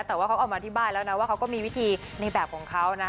แต่ว่าเขาออกมาอธิบายแล้วนะว่าเขาก็มีวิธีในแบบของเขานะ